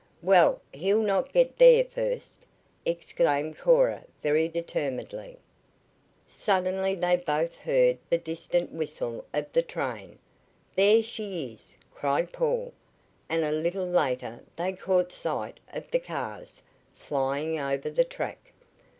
"Well, he'll not get there first!" exclaimed Cora very determinedly. Suddenly they both heard the distant whistle of the train. "There she is!" cried Paul; and a little later they caught sight of the cars, flying over the track.